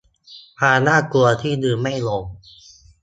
ความน่ากลัวที่ลืมไม่ลง